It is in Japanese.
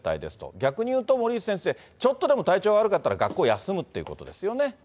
逆にいうと、森内先生、ちょっとでも体調悪かったら、学校休むっていうことですよね。